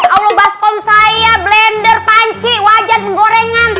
allah baskom saya blender panci wajan penggorengan